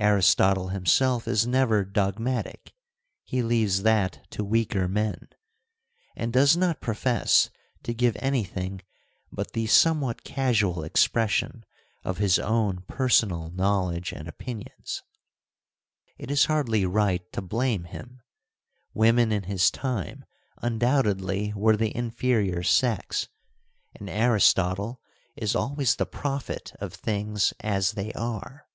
Aristotle himself is never dogmatic (he leaves that to weaker men), and does not profess to give anything but the some * Hist. An., 608, b (trans. Thompson). ARISTOTLE 219 what casual expression of his own personal knowledge and opinions. It is hardly right to blame him : women in his time undoubtedly were the inferior sex, and Aristotle is always the prophet of things as they are.